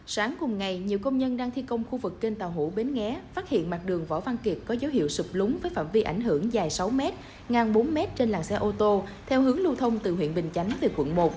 sáng cùng ngày nhiều công nhân đang thi công khu vực kênh tàu hủ bến nghé phát hiện mặt đường võ văn kiệt có dấu hiệu sụp lún với phạm vi ảnh hưởng dài sáu m ngang bốn m trên làng xe ô tô theo hướng lưu thông từ huyện bình chánh về quận một